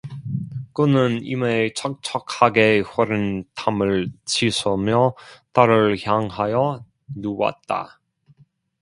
그는 이마에 척척 하게 흐른 땀을 씻으며 달을 향하여 누웠다.